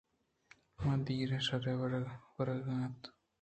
ما دِیریں شھرے ءَ روگ ءَ اَت ایں۔